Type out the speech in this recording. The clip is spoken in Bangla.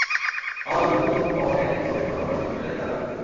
আমার অবচেতন মনে ছবির কোনো ঘটনা যদি মিলে যায়, তাহলে আমি দুঃখিত।